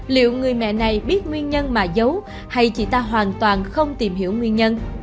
liệu người mẹ này biết nguyên nhân mà giấu hay chị ta hoàn toàn không tìm hiểu nguyên nhân